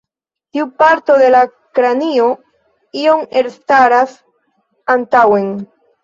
Tiu parto de la kranio iom elstaras antaŭen.